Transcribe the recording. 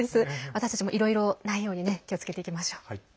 私たちもいろいろないようにね気をつけていきましょう。